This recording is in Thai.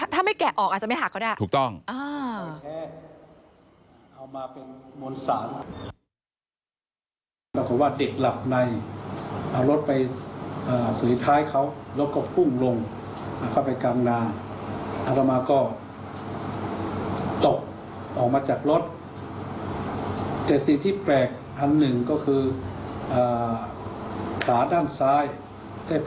อ๋อถ้าไม่แกะออกอาจจะไม่หักเขาได้